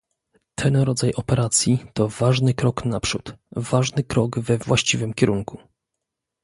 Ten rodzaj operacji to ważny krok naprzód, ważny krok we właściwym kierunku